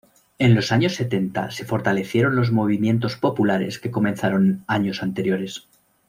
En los años setenta se fortalecieron los movimientos populares que comenzaron años anteriores.